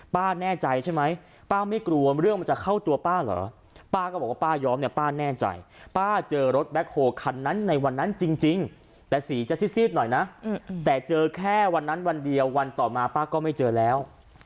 แน่ใจใช่ไหมป้าไม่กลัวเรื่องมันจะเข้าตัวป้าเหรอป้าก็บอกว่าป้าย้อมเนี่ยป้าแน่ใจป้าเจอรถแบ็คโฮคันนั้นในวันนั้นจริงแต่สีจะซีดหน่อยนะแต่เจอแค่วันนั้นวันเดียววันต่อมาป้าก็ไม่เจอแล้ว